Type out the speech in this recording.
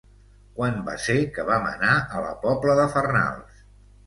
Quan va ser que vam anar a la Pobla de Farnals?